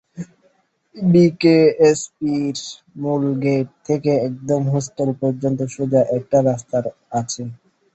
বিকেএসপির মূল গেট থেকে একদম হোস্টেল পর্যন্ত সোজা একটা রাস্তা আছে।